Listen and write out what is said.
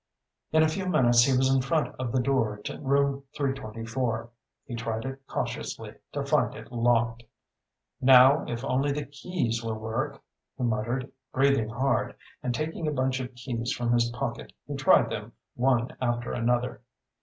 In a few minutes he was in front of the door to Room 324. He tried it cautiously, to find it locked. "Now if only the keys will work," he muttered, breathing hard, and taking a bunch of keys from his pocket he tried them, one after another.